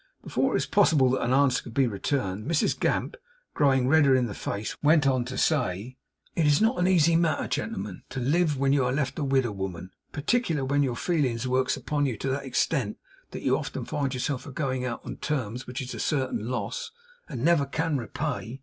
Before it was possible that an answer could be returned, Mrs Gamp, growing redder in the face, went on to say: 'It is not a easy matter, gentlemen, to live when you are left a widder woman; particular when your feelings works upon you to that extent that you often find yourself a going out on terms which is a certain loss, and never can repay.